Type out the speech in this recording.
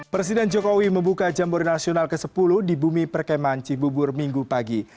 presiden jokowi membuka jambore nasional ke sepuluh di bumi perkeman cibubur minggu pagi